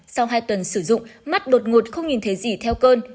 sau hai tuần sử dụng mắt đột ngột không nhìn thấy gì theo cơn